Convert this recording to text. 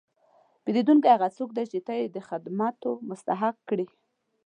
پیرودونکی هغه څوک دی چې ته یې د خدمتو مستحق کړې.